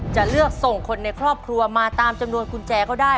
จะเลือกส่งคนในครอบครัวมาตามจำนวนกุญแจก็ได้